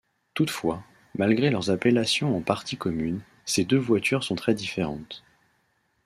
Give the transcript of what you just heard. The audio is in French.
Toutefois, malgré leur appellation en partie commune, ces deux voitures sont très différentes.